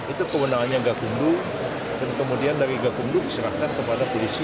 itu kewenangannya gakumdu dan kemudian dari gakumdu diserahkan kepada polisi